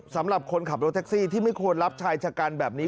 สำหรับคนขับรถแท็กซี่ที่ไม่ควรรับชายชะกันแบบนี้